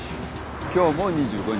今日も２５日。